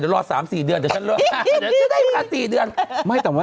รู้สึกว่าเธอนักรอจวน